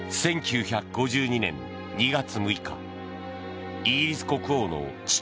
１９５２年２月６日イギリス国王の父